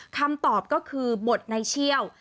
คำตอบก็คือบทในเชี่ยว